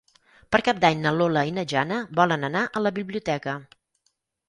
Per Cap d'Any na Lola i na Jana volen anar a la biblioteca.